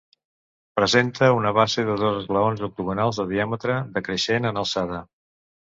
Presenta una base de dos esglaons octogonals de diàmetre decreixent en alçada.